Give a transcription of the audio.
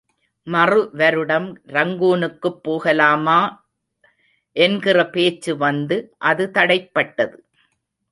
மறு வருடம் ரங்கூனுக்குப் போகலாமா என்கிற பேச்சு வந்து, அது தடைப்பட்டது.